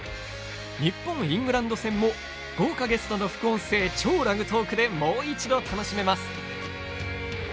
日本、イングランド戦も豪華ゲストの副音声・超ラグトークでもう一度、楽しめます。